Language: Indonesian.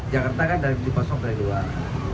jakarta kan dipasok dari luar